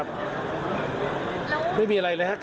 พตรพูดถึงเรื่องนี้ยังไงลองฟังกันหน่อยค่ะ